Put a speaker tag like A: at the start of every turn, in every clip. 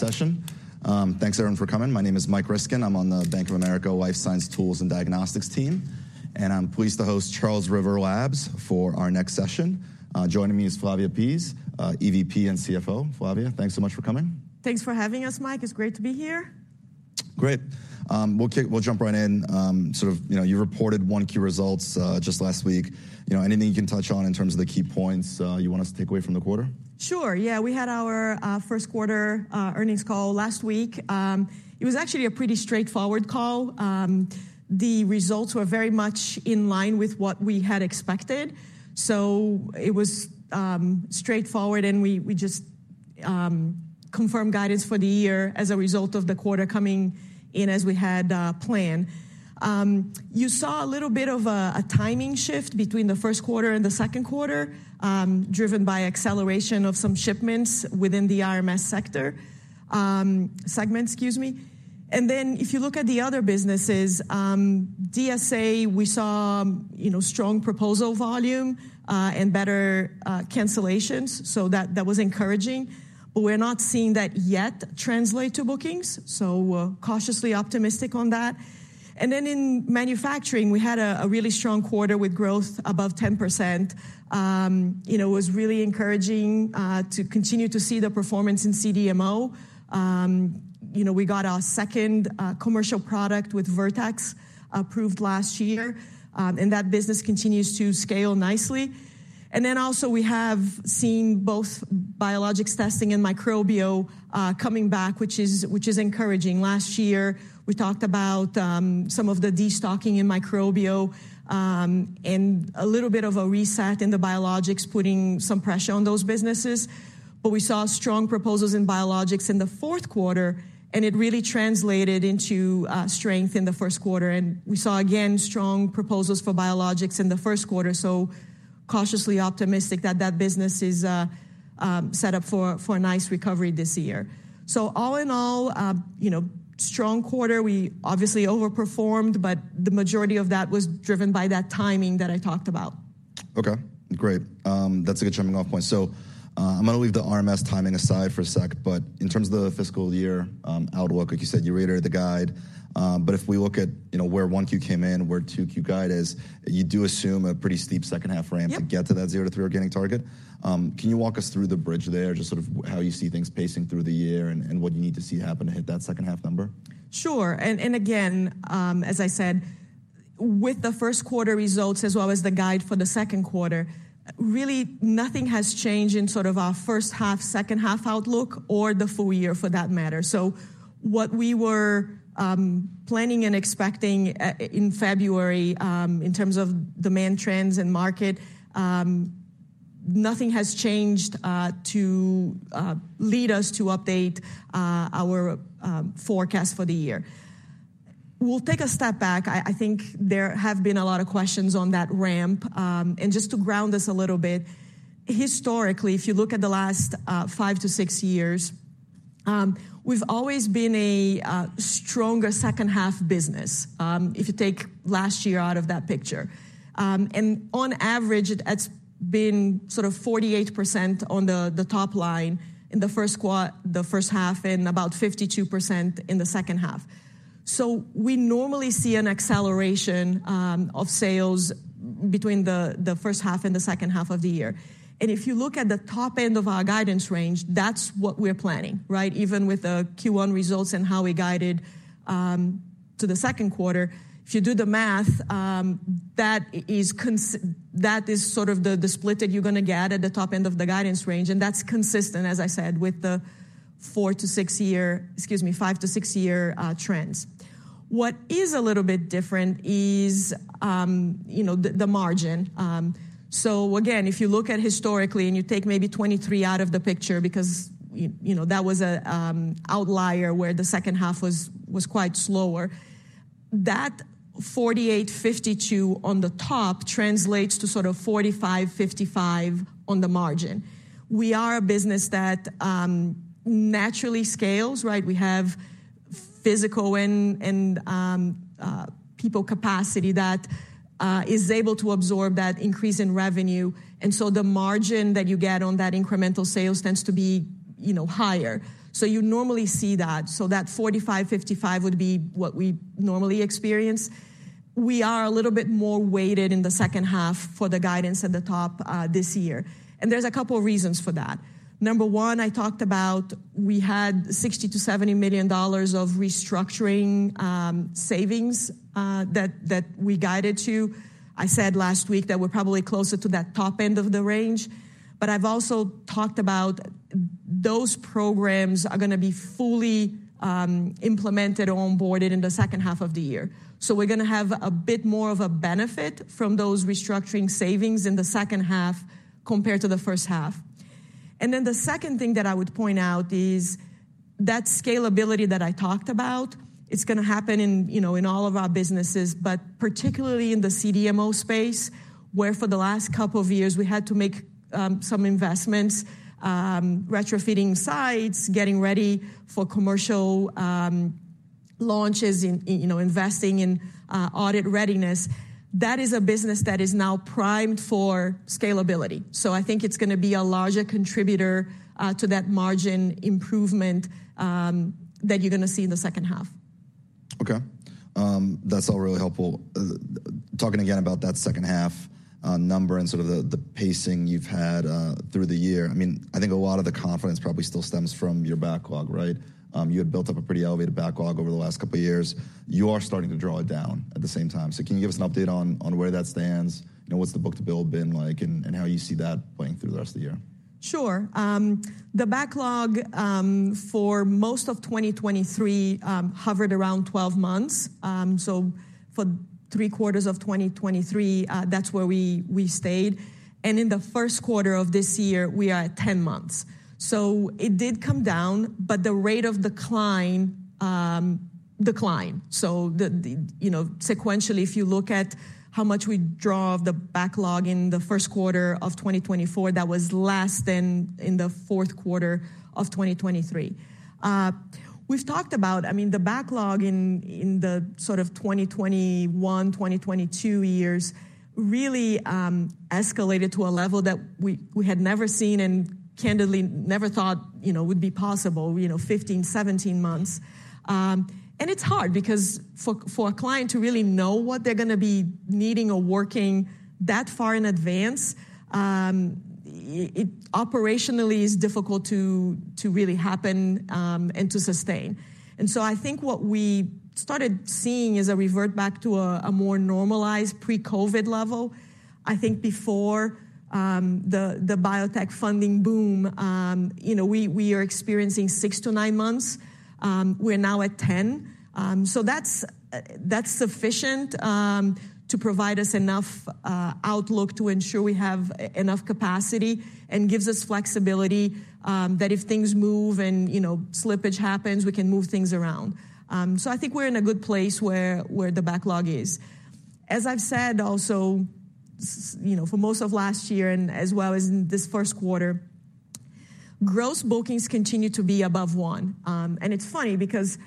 A: Session. Thanks everyone for coming. My name is Mike Ryskin. I'm on the Bank of America Life Sciences Tools and Diagnostics team, and I'm pleased to host Charles River Labs for our next session. Joining me is Flavia Pease, EVP and CFO. Flavia, thanks so much for coming.
B: Thanks for having us, Mike. It's great to be here.
A: Great. We'll kick. We'll jump right in. Sort of, you know, you reported Q1 key results just last week. You know, anything you can touch on in terms of the key points you want us to take away from the quarter?
B: Sure. Yeah. We had our first quarter earnings call last week. It was actually a pretty straightforward call. The results were very much in line with what we had expected. So it was straightforward, and we just confirmed guidance for the year as a result of the quarter coming in as we had planned. You saw a little bit of a timing shift between the first quarter and the second quarter, driven by acceleration of some shipments within the RMS sector, segment, excuse me. And then if you look at the other businesses, DSA, we saw you know strong proposal volume, and better cancellations, so that was encouraging. But we're not seeing that yet translate to bookings, so cautiously optimistic on that. And then in Manufacturing, we had a really strong quarter with growth above 10%. You know, it was really encouraging to continue to see the performance in CDMO. You know, we got our second commercial product with Vertex approved last year. That business continues to scale nicely. Then we have seen both biologics testing and microbio coming back, which is encouraging. Last year we talked about some of the destocking in microbio, and a little bit of a reset in the biologics, putting some pressure on those businesses. But we saw strong proposals in biologics in the fourth quarter, and it really translated into strength in the first quarter. We saw again strong proposals for biologics in the first quarter, so cautiously optimistic that that business is set up for a nice recovery this year. So all in all, you know, strong quarter. We obviously overperformed, but the majority of that was driven by that timing that I talked about.
A: Okay. Great. That's a good jumping-off point. So, I'm going to leave the RMS timing aside for a sec, but in terms of the fiscal year outlook, like you said, you reiterated the guide. But if we look at, you know, where 1Q came in, where 2Q guide is, you do assume a pretty steep second-half ramp.
B: Yeah.
A: To get to that 0-3 organic target, can you walk us through the bridge there, just sort of how you see things pacing through the year and what you need to see happen to hit that second-half number?
B: Sure. And again, as I said, with the first quarter results as well as the guide for the second quarter, really nothing has changed in sort of our first-half, second-half outlook or the full year for that matter. So what we were planning and expecting in February in terms of demand trends and market, nothing has changed to lead us to update our forecast for the year. We'll take a step back. I think there have been a lot of questions on that ramp. And just to ground us a little bit, historically, if you look at the last 5-6 years, we've always been a stronger second-half business, if you take last year out of that picture. And on average, it's been sort of 48% on the top line in the first half and about 52% in the second half. So we normally see an acceleration of sales between the first half and the second half of the year. And if you look at the top end of our guidance range, that's what we're planning, right? Even with the Q1 results and how we guided to the second quarter, if you do the math, that is sort of the split that you're going to get at the top end of the guidance range. And that's consistent, as I said, with the 4-6-year, excuse me, 5-6-year, trends. What is a little bit different is, you know, the margin. So again, if you look at historically and you take maybe 2023 out of the picture because, you know, that was a outlier where the second half was quite slower, that 48-52 on the top translates to sort of 45-55 on the margin. We are a business that naturally scales, right? We have physical and people capacity that is able to absorb that increase in revenue. And so the margin that you get on that incremental sales tends to be, you know, higher. So you normally see that. So that 45-55 would be what we normally experience. We are a little bit more weighted in the second half for the guidance at the top, this year. And there's a couple of reasons for that. Number one, I talked about we had $60 million-$70 million of restructuring savings that we guided to. I said last week that we're probably closer to that top end of the range. But I've also talked about those programs are going to be fully implemented or onboarded in the second half of the year. So we're going to have a bit more of a benefit from those restructuring savings in the second half compared to the first half. And then the second thing that I would point out is that scalability that I talked about; it's going to happen in, you know, in all of our businesses, but particularly in the CDMO space, where for the last couple of years we had to make some investments retrofitting sites, getting ready for commercial launches in, you know, investing in audit readiness. That is a business that is now primed for scalability. So I think it's going to be a larger contributor to that margin improvement that you're going to see in the second half.
A: Okay. That's all really helpful. Talking again about that second half, number and sort of the, the pacing you've had through the year, I mean, I think a lot of the confidence probably still stems from your backlog, right? You had built up a pretty elevated backlog over the last couple of years. You are starting to draw it down at the same time. So can you give us an update on, on where that stands? You know, what's the book-to-bill been like and, and how you see that playing through the rest of the year?
B: Sure. The backlog, for most of 2023, hovered around 12 months. So for three quarters of 2023, that's where we stayed. And in the first quarter of this year, we are at 10 months. So it did come down, but the rate of decline declined. So the, you know, sequentially, if you look at how much we draw of the backlog in the first quarter of 2024, that was less than in the fourth quarter of 2023. We've talked about, I mean, the backlog in the sort of 2021, 2022 years really escalated to a level that we had never seen and candidly never thought, you know, would be possible, you know, 15, 17 months. It's hard because for a client to really know what they're going to be needing or working that far in advance, it operationally is difficult to really happen, and to sustain. So I think what we started seeing is a revert back to a more normalized pre-COVID level. I think before the biotech funding boom, you know, we are experiencing 6-9 months. We're now at 10. So that's sufficient to provide us enough outlook to ensure we have enough capacity and gives us flexibility, that if things move and, you know, slippage happens, we can move things around. So I think we're in a good place where the backlog is. As I've said also, you know, for most of last year and as well as in this first quarter, gross bookings continue to be above 1. It's funny because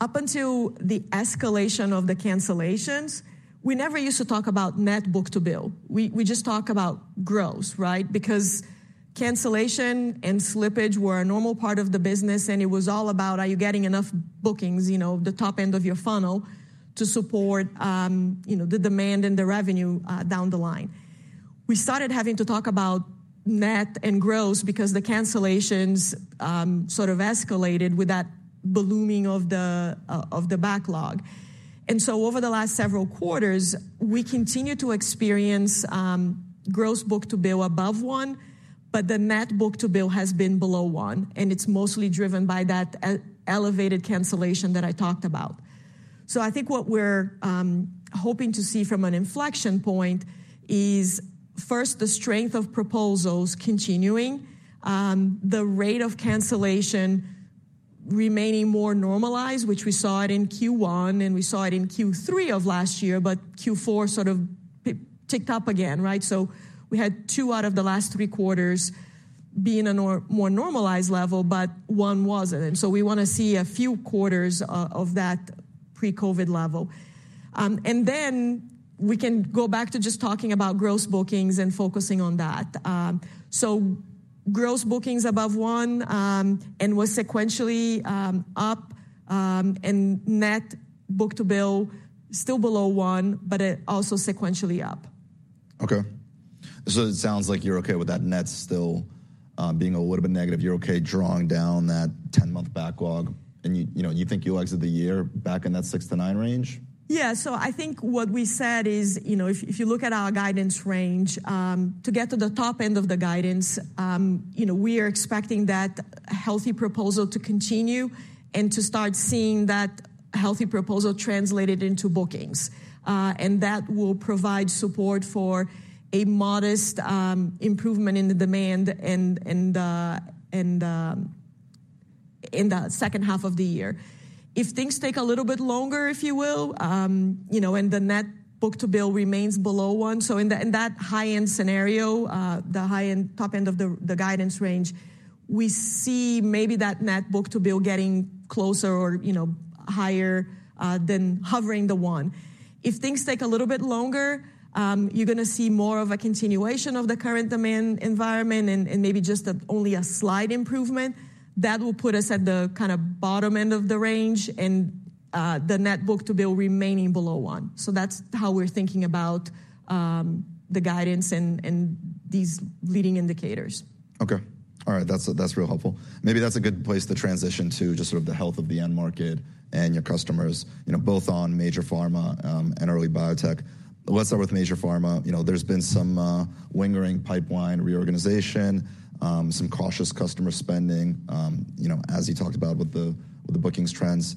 B: up until the escalation of the cancellations, we never used to talk about net book-to-bill. We just talk about gross, right? Because cancellation and slippage were a normal part of the business, and it was all about, are you getting enough bookings, you know, the top end of your funnel to support, you know, the demand and the revenue, down the line. We started having to talk about net and gross because the cancellations sort of escalated with that ballooning of the backlog. So over the last several quarters, we continue to experience gross book-to-bill above one. But the net book-to-bill has been below one. And it's mostly driven by that elevated cancellation that I talked about. So I think what we're hoping to see from an inflection point is first, the strength of proposals continuing. The rate of cancellation remaining more normalized, which we saw it in Q1 and we saw it in Q3 of last year, but Q4 sort of picked up again, right? So we had 2 out of the last 3 quarters being a more normalized level, but one wasn't. So we want to see a few quarters of that pre-COVID level, and then we can go back to just talking about gross bookings and focusing on that. So gross bookings above 1, and was sequentially up, and net book-to-bill still below 1, but it also sequentially up.
A: Okay. So it sounds like you're okay with that net still, being a little bit negative. You're okay drawing down that 10-month backlog. And you know, you think you'll exit the year back in that 6-9 range?
B: Yeah. So I think what we said is, you know, if you look at our guidance range, to get to the top end of the guidance, you know, we are expecting that healthy proposal to continue and to start seeing that healthy proposal translated into bookings. And that will provide support for a modest improvement in the demand and in the second half of the year. If things take a little bit longer, if you will, you know, and the net book-to-bill remains below one. So in that high-end scenario, the high-end top end of the guidance range, we see maybe that net book-to-bill getting closer or, you know, higher than hovering the one. If things take a little bit longer, you're going to see more of a continuation of the current demand environment and maybe just only a slight improvement. That will put us at the kind of bottom end of the range and the net book-to-bill remaining below one. So that's how we're thinking about the guidance and these leading indicators.
A: Okay. All right. That's real helpful. Maybe that's a good place to transition to just sort of the health of the end market and your customers, you know, both on major pharma, and early biotech. Let's start with major pharma. You know, there's been some lingering pipeline reorganization, some cautious customer spending, you know, as you talked about with the bookings trends.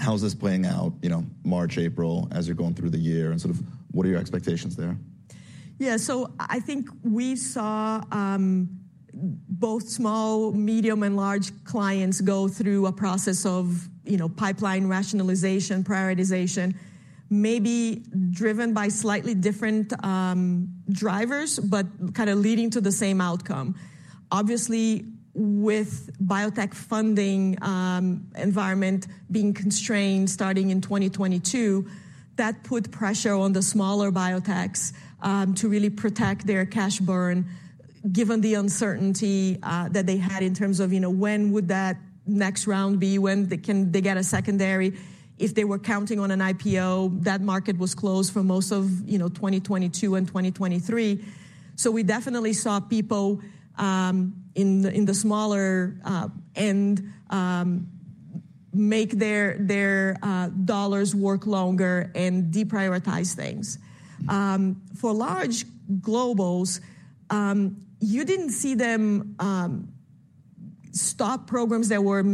A: How's this playing out, you know, March, April, as you're going through the year and sort of what are your expectations there?
B: Yeah. So I think we saw both small, medium, and large clients go through a process of, you know, pipeline rationalization, prioritization, maybe driven by slightly different drivers, but kind of leading to the same outcome. Obviously, with biotech funding environment being constrained starting in 2022, that put pressure on the smaller biotechs to really protect their cash burn, given the uncertainty that they had in terms of, you know, when would that next round be, when can they get a secondary. If they were counting on an IPO, that market was closed for most of, you know, 2022 and 2023. So we definitely saw people in the smaller end make their dollars work longer and deprioritize things. For large globals, you didn't see them stop programs that were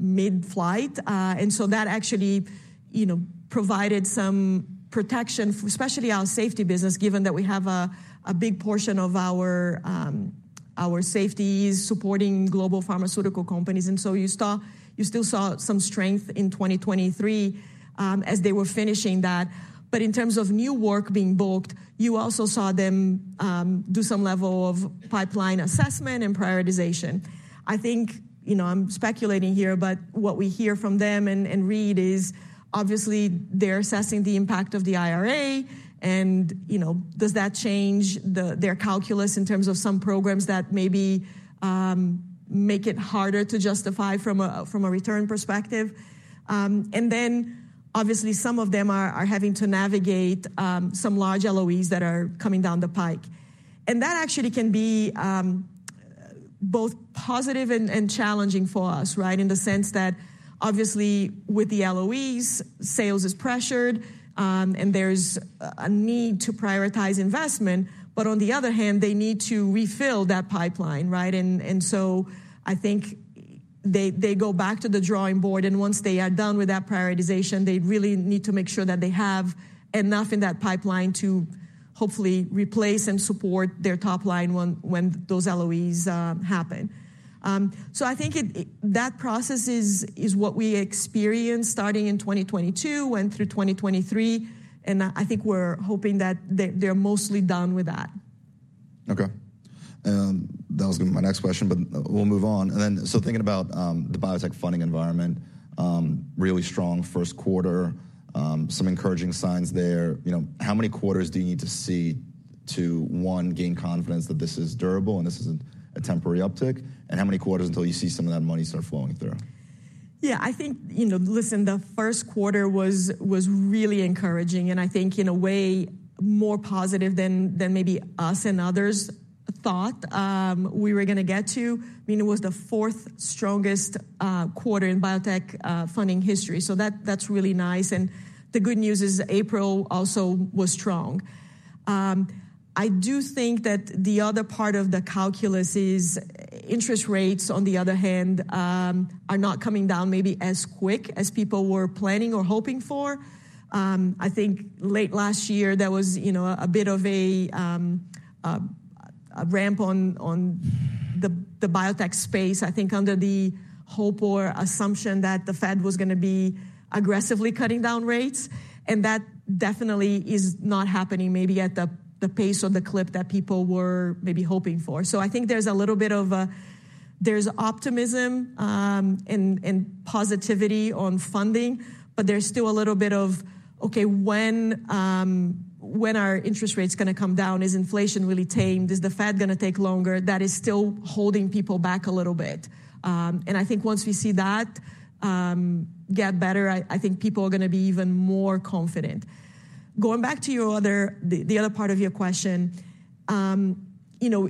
B: mid-flight. and so that actually, you know, provided some protection, especially our Safety business, given that we have a big portion of our Safety supporting global pharmaceutical companies. And so you saw you still saw some strength in 2023, as they were finishing that. But in terms of new work being booked, you also saw them do some level of pipeline assessment and prioritization. I think, you know, I'm speculating here, but what we hear from them and read is obviously they're assessing the impact of the IRA. And, you know, does that change their calculus in terms of some programs that maybe make it harder to justify from a return perspective? And then obviously some of them are having to navigate some large LOEs that are coming down the pike. And that actually can be both positive and challenging for us, right? In the sense that obviously with the LOEs, sales is pressured, and there's a need to prioritize investment. But on the other hand, they need to refill that pipeline, right? And, and so I think they, they go back to the drawing board. And once they are done with that prioritization, they really need to make sure that they have enough in that pipeline to hopefully replace and support their top line when, when those LOEs, happen. So I think it that process is, is what we experienced starting in 2022, went through 2023. And I think we're hoping that they're mostly done with that.
A: Okay. That was going to be my next question, but we'll move on. And then so thinking about the biotech funding environment, really strong first quarter, some encouraging signs there. You know, how many quarters do you need to see to one, gain confidence that this is durable and this isn't a temporary uptick? And how many quarters until you see some of that money start flowing through?
B: Yeah. I think, you know, listen, the first quarter was, was really encouraging. I think in a way more positive than, than maybe us and others thought, we were going to get to. I mean, it was the fourth strongest quarter in biotech funding history. That's really nice. The good news is April also was strong. I do think that the other part of the calculus is interest rates, on the other hand, are not coming down maybe as quick as people were planning or hoping for. I think late last year, there was, you know, a bit of a, a ramp on, on the, the biotech space, I think, under the hope or assumption that the Fed was going to be aggressively cutting down rates. That definitely is not happening maybe at the, the pace or the clip that people were maybe hoping for. So I think there's a little bit of optimism and positivity on funding. But there's still a little bit of, okay, when are interest rates going to come down? Is inflation really tamed? Is the Fed going to take longer? That is still holding people back a little bit. And I think once we see that get better, I think people are going to be even more confident. Going back to your other part of your question, you know,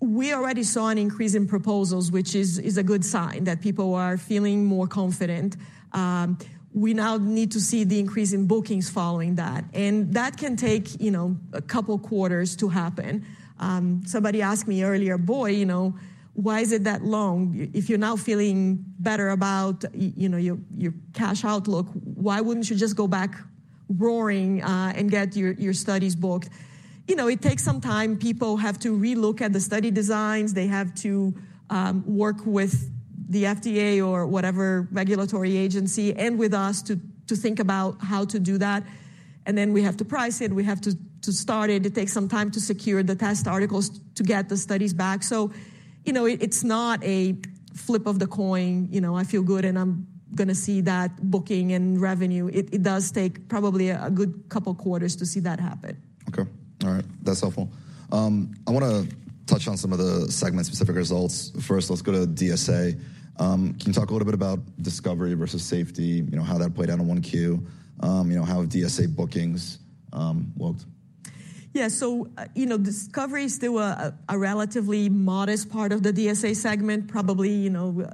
B: we already saw an increase in proposals, which is a good sign that people are feeling more confident. We now need to see the increase in bookings following that. And that can take, you know, a couple quarters to happen. Somebody asked me earlier, "Boy, you know, why is it that long? If you're now feeling better about, you know, your, your cash outlook, why wouldn't you just go back roaring, and get your, your studies booked?" You know, it takes some time. People have to relook at the study designs. They have to, work with the FDA or whatever regulatory agency and with us to, to think about how to do that. And then we have to price it. We have to, to start it. It takes some time to secure the test articles to get the studies back. So, you know, it's not a flip of the coin. You know, I feel good and I'm going to see that booking and revenue. It does take probably a good couple quarters to see that happen.
A: Okay. All right. That's helpful. I want to touch on some of the segment specific results. First, let's go to DSA. Can you talk a little bit about Discovery versus Safety, you know, how that played out in 1Q? You know, how have DSA bookings worked?
B: Yeah. So, you know, Discovery is still a relatively modest part of the DSA segment, probably, you know,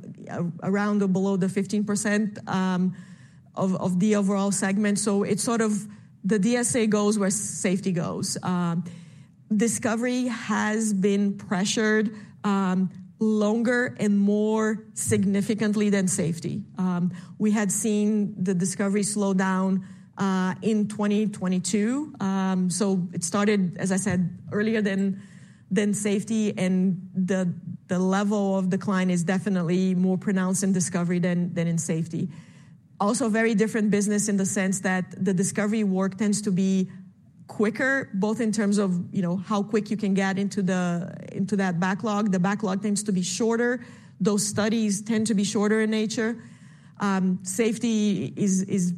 B: around or below the 15% of, of the overall segment. So it's sort of the DSA goes where Safety goes. Discovery has been pressured, longer and more significantly than Safety. We had seen the Discovery slow down, in 2022. So it started, as I said, earlier than, than Safety. And the, the level of decline is definitely more pronounced in Discovery than, than in Safety. Also very different business in the sense that the Discovery work tends to be quicker, both in terms of, you know, how quick you can get into the into that backlog. The backlog tends to be shorter. Those studies tend to be shorter in nature. Safety is, is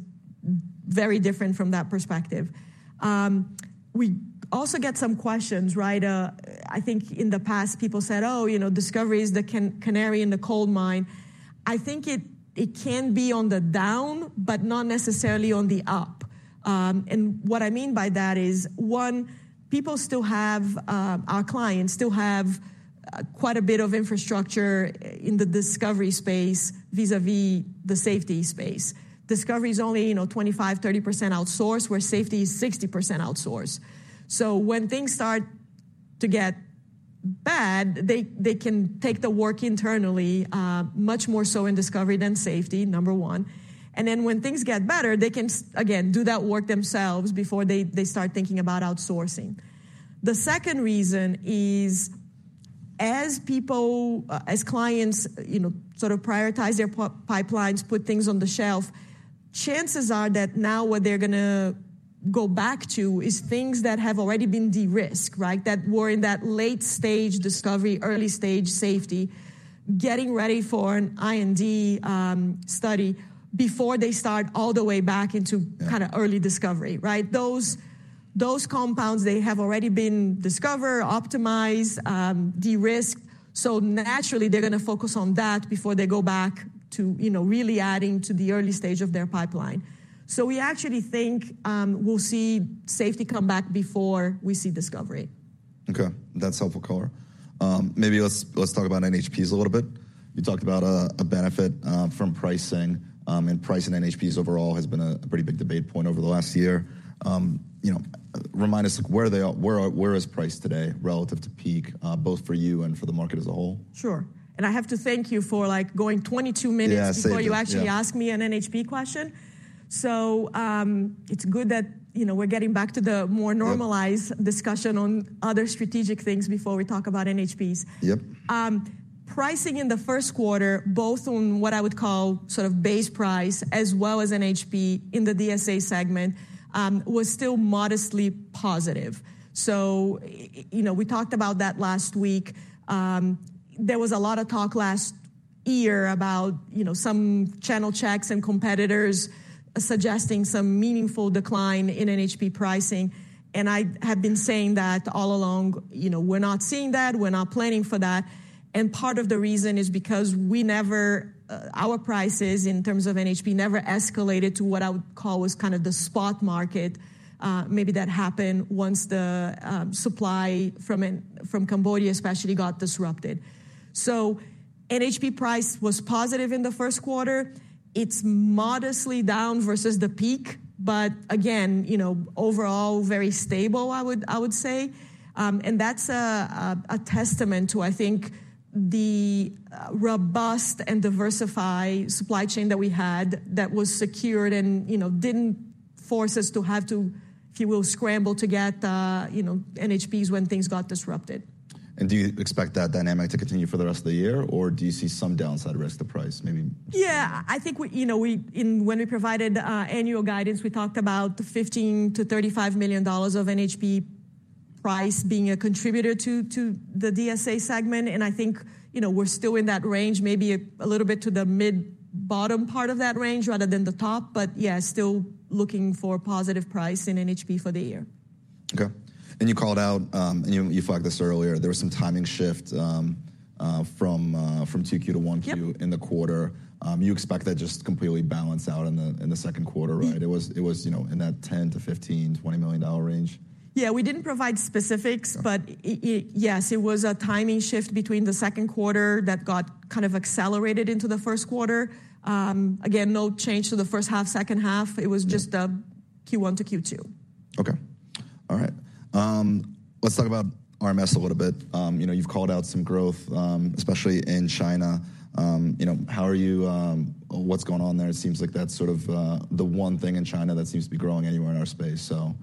B: very different from that perspective. We also get some questions, right? I think in the past, people said, "Oh, you know, Discovery is the canary in the coal mine." I think it can be on the down, but not necessarily on the up. And what I mean by that is, our clients still have quite a bit of infrastructure in the Discovery space vis-à-vis the Safety space. Discovery is only, you know, 25%-30% outsourced, where Safety is 60% outsourced. So when things start to get bad, they can take the work internally, much more so in Discovery than Safety, number one. And then when things get better, they can, again, do that work themselves before they start thinking about outsourcing. The second reason is as people, as clients, you know, sort of prioritize their pipelines, put things on the shelf, chances are that now what they're going to go back to is things that have already been de-risked, right? That were in that late stage Discovery, early stage Safety, getting ready for an IND study before they start all the way back into kind of early Discovery, right? Those, those compounds, they have already been discovered, optimized, de-risked. So naturally, they're going to focus on that before they go back to, you know, really adding to the early stage of their pipeline. So we actually think, we'll see Safety come back before we see Discovery.
A: Okay. That's helpful color. Maybe let's, let's talk about NHPs a little bit. You talked about a, a benefit from pricing, and pricing NHPs overall has been a pretty big debate point over the last year. You know, remind us like where they are where are where is price today relative to peak, both for you and for the market as a whole?
B: Sure. And I have to thank you for like going 22 minutes before you actually asked me an NHP question. So, it's good that, you know, we're getting back to the more normalized discussion on other strategic things before we talk about NHPs.
A: Yep.
B: Pricing in the first quarter, both on what I would call sort of base price as well as NHP in the DSA segment, was still modestly positive. So, you know, we talked about that last week. There was a lot of talk last year about, you know, some channel checks and competitors suggesting some meaningful decline in NHP pricing. And I have been saying that all along, you know, we're not seeing that. We're not planning for that. And part of the reason is because we never our prices in terms of NHP never escalated to what I would call was kind of the spot market. Maybe that happened once the supply from Cambodia especially got disrupted. So NHP price was positive in the first quarter. It's modestly down versus the peak. But again, you know, overall very stable, I would I would say. That's a testament to, I think, the robust and diversified supply chain that we had that was secured and, you know, didn't force us to have to, if you will, scramble to get, you know, NHPs when things got disrupted.
A: Do you expect that dynamic to continue for the rest of the year or do you see some downside risk to price? Maybe.
B: Yeah. I think we, you know, when we provided annual guidance, we talked about $15 million-$35 million of NHP price being a contributor to the DSA segment. I think, you know, we're still in that range, maybe a little bit to the mid-bottom part of that range rather than the top. Yeah, still looking for positive price in NHP for the year.
A: Okay. And you called out and you flagged this earlier. There was some timing shift from Q2 to Q1 in the quarter. You expect that just completely balance out in the second quarter, right? It was, you know, in that $10-$15, $20 million range?
B: Yeah. We didn't provide specifics, but yes, it was a timing shift between the second quarter that got kind of accelerated into the first quarter. Again, no change to the first half, second half. It was just a Q1 to Q2.
A: Okay. All right. Let's talk about RMS a little bit. You know, you've called out some growth, especially in China. You know, how are you, what's going on there? It seems like that's sort of, the one thing in China that seems to be growing anywhere in our space. So,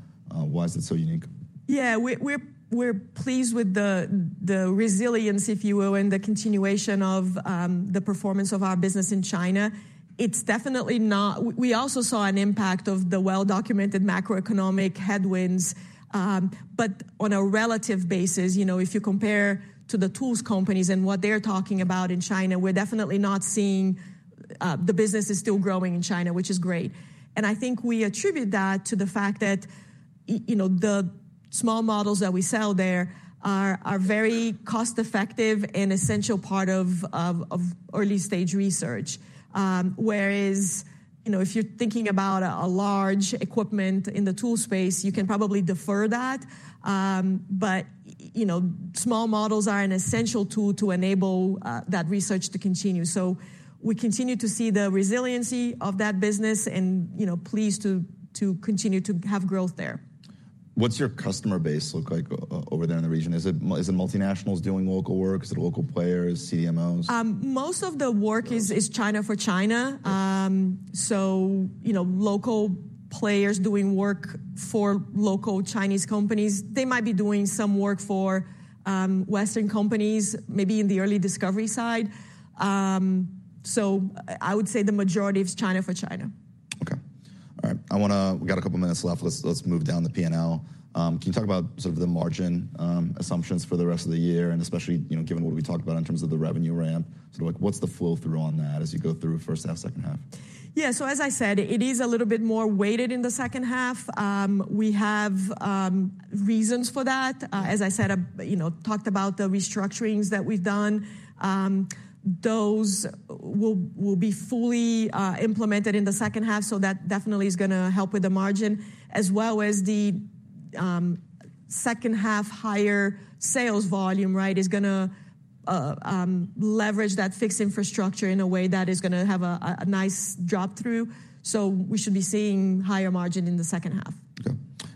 A: why is it so unique?
B: Yeah. We're pleased with the resilience, if you will, and the continuation of the performance of our business in China. It's definitely not. We also saw an impact of the well-documented macroeconomic headwinds. But on a relative basis, you know, if you compare to the tools companies and what they're talking about in China, we're definitely not seeing. The business is still growing in China, which is great. And I think we attribute that to the fact that, you know, the small models that we sell there are very cost-effective and essential part of early stage research. Whereas, you know, if you're thinking about a large equipment in the tool space, you can probably defer that. But, you know, small models are an essential tool to enable that research to continue. So we continue to see the resiliency of that business and, you know, pleased to continue to have growth there.
A: What's your customer base look like over there in the region? Is it multinationals doing local work? Is it local players, CDMOs?
B: Most of the work is China for China. So, you know, local players doing work for local Chinese companies, they might be doing some work for Western companies, maybe in the early Discovery side. So I would say the majority is China for China.
A: Okay. All right. I want to, we got a couple minutes left. Let's move down the P&L. Can you talk about sort of the margin assumptions for the rest of the year and especially, you know, given what we talked about in terms of the revenue ramp? Sort of like what's the flow through on that as you go through first half, second half?
B: Yeah. So as I said, it is a little bit more weighted in the second half. We have reasons for that. As I said, you know, talked about the restructurings that we've done. Those will be fully implemented in the second half. So that definitely is going to help with the margin as well as the second half higher sales volume, right, is going to leverage that fixed infrastructure in a way that is going to have a nice drop through. So we should be seeing higher margin in the second half.
A: Okay.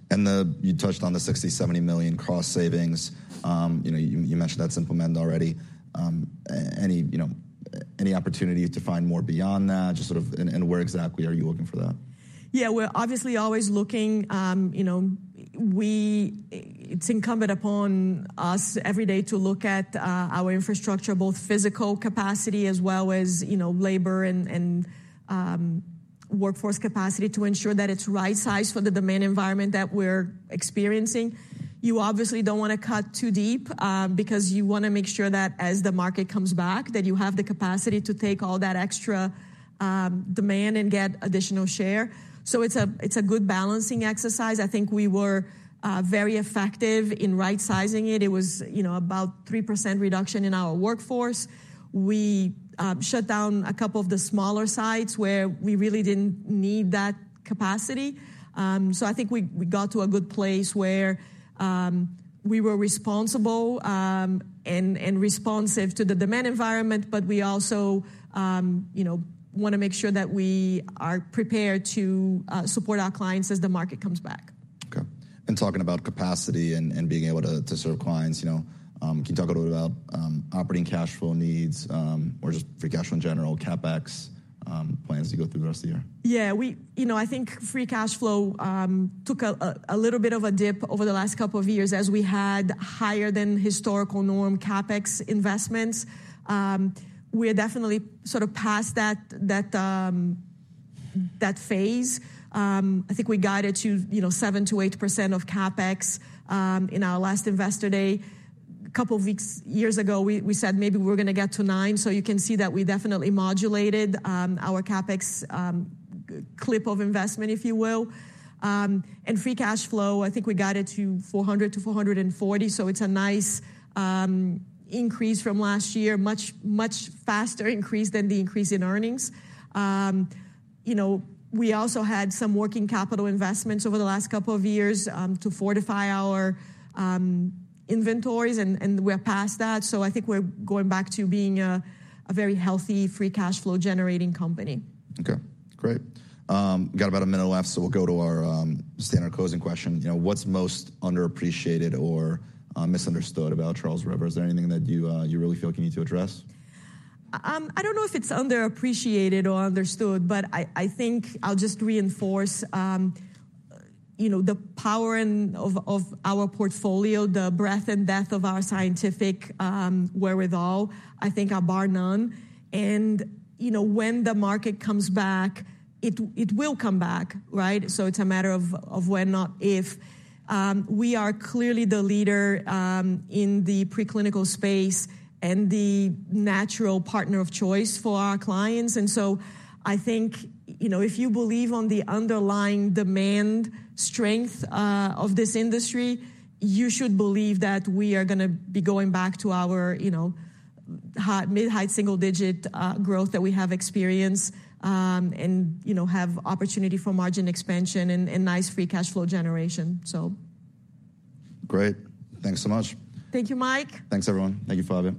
A: Then you touched on the $60-$70 million cost savings. You know, you mentioned that's implemented already. Any, you know, any opportunity to find more beyond that? Just sort of, and where exactly are you looking for that?
B: Yeah. We're obviously always looking, you know. We, it's incumbent upon us every day to look at our infrastructure, both physical capacity as well as, you know, labor and, and, workforce capacity to ensure that it's right size for the demand environment that we're experiencing. You obviously don't want to cut too deep, because you want to make sure that as the market comes back, that you have the capacity to take all that extra demand and get additional share. So it's a good balancing exercise. I think we were very effective in right sizing it. It was, you know, about 3% reduction in our workforce. We shut down a couple of the smaller sites where we really didn't need that capacity. So I think we got to a good place where we were responsible and responsive to the demand environment. We also, you know, want to make sure that we are prepared to support our clients as the market comes back.
A: Okay. Talking about capacity and being able to serve clients, you know, can you talk a little bit about operating cash flow needs, or just free cash flow in general, CapEx plans to go through the rest of the year?
B: Yeah. We, you know, I think free cash flow took a little bit of a dip over the last couple of years as we had higher than historical norm CapEx investments. We're definitely sort of past that phase. I think we got it to, you know, 7%-8% of CapEx in our last Investor Day. A couple of years ago, we said maybe we're going to get to 9%. So you can see that we definitely modulated our CapEx clip of investment, if you will. Free cash flow, I think we got it to $400 million-$440 million. So it's a nice increase from last year, much faster increase than the increase in earnings. You know, we also had some working capital investments over the last couple of years to fortify our inventories and we're past that. I think we're going back to being a very healthy free cash flow generating company.
A: Okay. Great. Got about a minute left, so we'll go to our standard closing question. You know, what's most underappreciated or misunderstood about Charles River? Is there anything that you, you really feel like you need to address?
B: I don't know if it's underappreciated or understood, but I think I'll just reinforce, you know, the power and of our portfolio, the breadth and depth of our scientific wherewithal. I think bar none. And, you know, when the market comes back, it will come back, right? So it's a matter of when, not if. We are clearly the leader in the preclinical space and the natural partner of choice for our clients. And so I think, you know, if you believe in the underlying demand strength of this industry, you should believe that we are going to be going back to our, you know, historical mid-high single-digit growth that we have experienced, and, you know, have opportunity for margin expansion and nice free cash flow generation. So.
A: Great. Thanks so much.
B: Thank you, Mike.
A: Thanks, everyone. Thank you, Flavia.